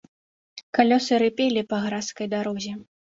Калёсы рыпелі па гразкай дарозе.